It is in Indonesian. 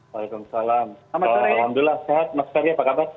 waalaikumsalam alhamdulillah sehat mas ferry apa kabar